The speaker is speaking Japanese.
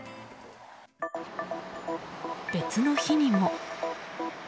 別の日にも。